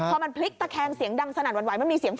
พอมันพลิกตะแคงเสียงดังสนัดหว่านมันมีเสียง